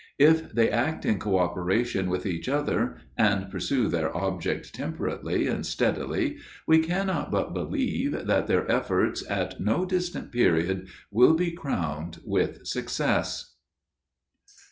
If they act in co operation with each other, and pursue their object temperately, and steadily, we cannot but believe, that their efforts at no distant period, will be crowned with success.